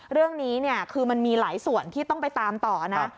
เรื่องนี้เนี่ยคือมันมีหลายส่วนที่ต้องไปตามต่อนะ